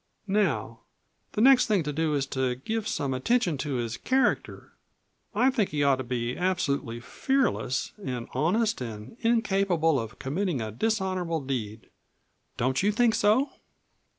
Now, the next thing to do is to give some attention to his character. I think he ought to be absolutely fearless and honest and incapable of committing a dishonorable deed. Don't you think so?"